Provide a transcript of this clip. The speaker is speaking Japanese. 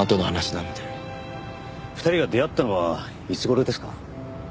２人が出会ったのはいつ頃ですか？